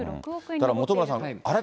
だから本村さん、あれ？